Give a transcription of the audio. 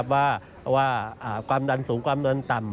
ว่าความดันสูงความดันต่ำ